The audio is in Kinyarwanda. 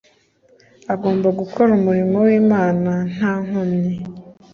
Agomba gukora umurimo w’Imana nta nkomyi.